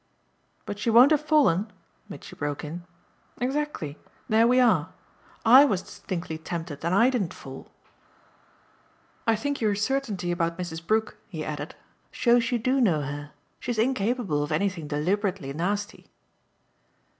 "But she won't have fallen?" Mitchy broke in. "Exactly there we are. I was distinctly tempted and I didn't fall. I think your certainty about Mrs. Brook," he added, "shows you do know her. She's incapable of anything deliberately nasty."